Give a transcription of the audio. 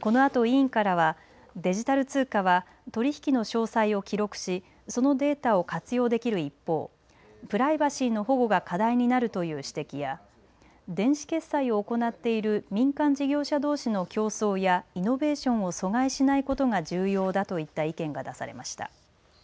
このあと、委員からはデジタル通貨は取り引きの詳細を記録しそのデータを活用できる一方プライバシーの保護が課題になるという指摘や電子決済を行っている民間事業者どうしの競争やイノベーションを阻害しないことが重要だといった意見が出されました。